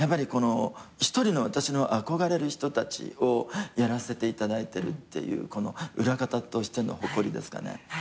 一人の私の憧れる人たちをやらせていただいてるっていう裏方としての誇りですかね。